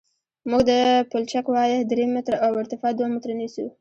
موږ د پلچک وایه درې متره او ارتفاع دوه متره نیسو